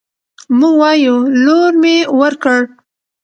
موږ وايو: لور مې ورکړ